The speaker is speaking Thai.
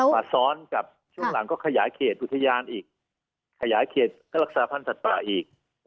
มาซ้อนกับช่วงหลังก็ขยายเขตอุทยานอีกขยายเขตรักษาพันธ์สัตว์ป่าอีก